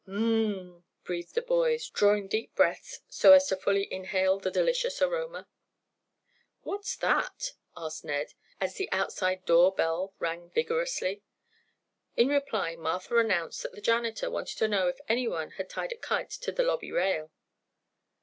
"Um m m!" breathed the boys, drawing deep breaths so as to fully inhale the delicious aroma. "What's that?" asked Ned, as the outside door bell rang vigorously. In reply Martha announced that the janitor wanted to know if anyone had tied a kite to the lobby rail.